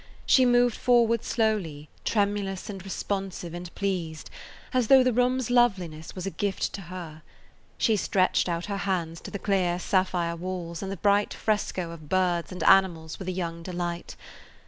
She moved forward slowly, tremulous and responsive and pleased, as though the room's loveliness was a gift to her. She stretched out her hands to the clear sapphire walls and the bright fresco of birds and animals with a young delight.